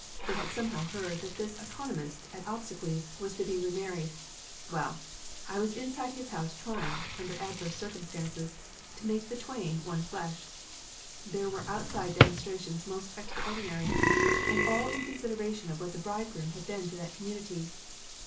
They had somehow heard that this economist at obsequies was to be remarried. Well, I was inside his house trying, under adverse circumstances, to make the twain one flesh. There were outside demonstrations most extraordinary, and all in consideration of what the bridegroom had been to that community.